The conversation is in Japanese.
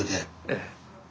ええ。